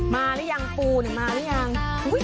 มาแล้วยังปูเนี่ยมาแล้วยัง